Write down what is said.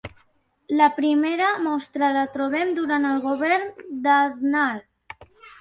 La primera mostra la trobem durant el govern d'Aznar.